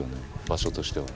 場所としては。